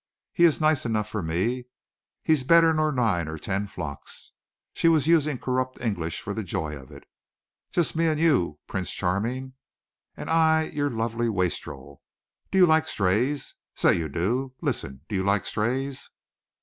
He is nice enough for me. He's better nor nine or ten flocks." She was using corrupt English for the joy of it. "Just me and you, Prince Charming. Am I your lovely wastrel? Do you like strays? Say you do. Listen! Do you like strays?"